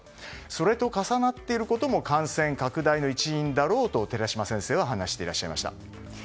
それと重なっていることも感染拡大の一因だろうと寺嶋先生は話していました。